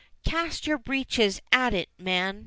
"Cast your breeches at it, man!"